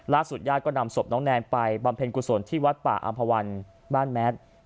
ญาติก็นำศพน้องแนนไปบำเพ็ญกุศลที่วัดป่าอำภาวันบ้านแมท